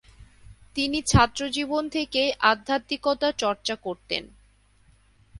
তিনি ছাত্রজীবন থেকেই আধ্যাত্মিকতা চর্চা করতেন।